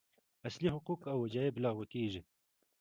اصلي حقوق او وجایب لغوه کېږي.